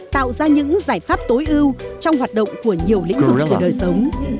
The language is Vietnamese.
tạo ra những giải pháp tối ưu trong hoạt động của nhiều lĩnh vực của đời sống